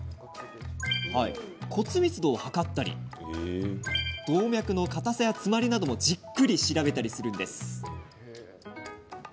骨密度を測ったり動脈の硬さや詰まりなどもじっくり調べたりするんです。